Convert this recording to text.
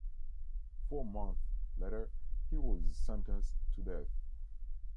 Four months later he was sentenced to death.